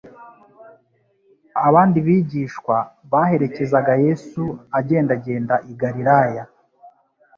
abandi bigishwa baherekezaga Yesu agendagenda i Galilaya.